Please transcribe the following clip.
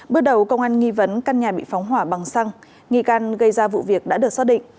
bước đầu công an nghi vấn căn nhà bị phóng hỏa bằng xăng nghi can gây ra vụ việc đã được xác định